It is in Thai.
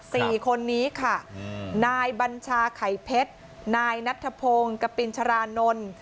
สี่คนนี้ค่ะอืมนายบัญชาไข่เพชรนายนัทธพงศ์กปินชรานนท์